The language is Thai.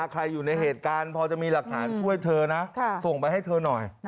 อยู่ในเหตุการณ์พอจะมีหลักฐานช่วยเธอนะส่งไปให้เธอหน่อย